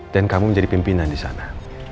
dan kamu menjadi pimpinan disana